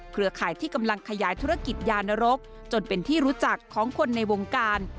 ข่ายที่กำลังขยายธุรกิจยานรกจนเป็นที่รู้จักของคนในวงการ